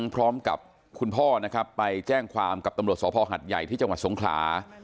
พร้อมกับคุณพ่อนะครับไปแจ้งความกับตำรวจสภหัดใหญ่ที่จังหวัดสงขลา